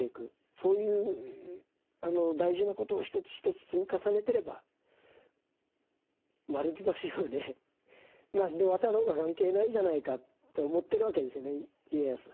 そういう大事なことを一つ一つ積み重ねてれば丸木橋をね何で渡ろうが関係ないじゃないかと思ってるわけですよね家康は。